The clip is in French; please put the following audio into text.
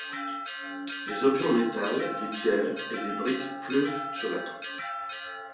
Des objets en métal, des pierres et des briques pleuvent sur la troupe.